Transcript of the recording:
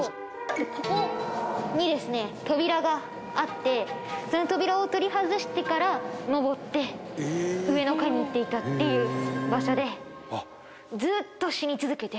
ここにですね扉があってその扉を取り外してから上って上の階に行っていたっていう場所で。